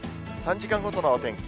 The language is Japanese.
３時間ごとのお天気。